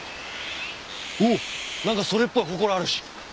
おっなんかそれっぽい祠あるし！